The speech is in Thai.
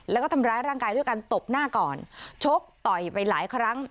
แล้วก็ทำร้ายร่างกายด้วยการตบหน้าก่อนชกต่อยไปหลายครั้ง